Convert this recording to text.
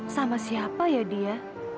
sama siapa ya dia